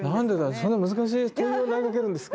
そんな難しい問いを投げかけるんですか。